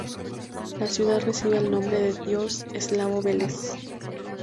La ciudad recibe el nombre del dios eslavo Veles.